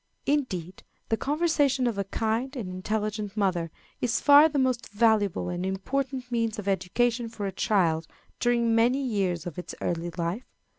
Indeed, the conversation of a kind and intelligent mother is far the most valuable and important means of education for a child during many years of its early life.